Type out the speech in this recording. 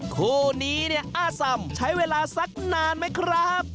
คู่นี้อาซ่ำใช้เวลาซักนานไหมครับ